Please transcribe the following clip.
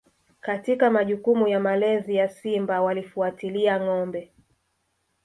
Katika majukumu ya malezi ya Simba walifuatilia ngombe